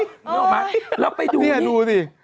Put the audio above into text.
งั้นเอาไปดูนี่